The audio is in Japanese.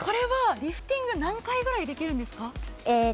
リフティング、何回ぐらいできるんですか？